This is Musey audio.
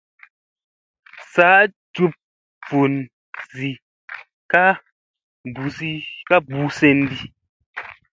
Saa juɓ vun zii ka ɓuu senɗi.